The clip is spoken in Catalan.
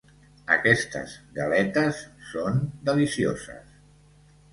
Aquestes galetes són delicioses!